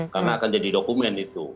karena akan jadi dokumen itu